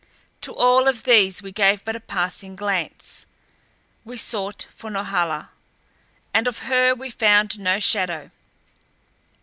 To all of these we gave but a passing glance. We sought for Norhala. And of her we found no shadow.